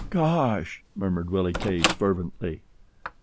"Gosh!" murmured Willie Case, fervently.